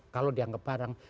kalau dianggap barang